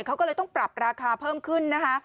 เขาก็เลยต้องปรับราคาเพิ่มขึ้นนะคะ